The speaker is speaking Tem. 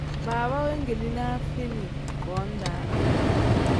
Baaba wengilinaa feeni foo-daa.